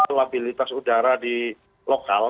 stabilitas udara di lokal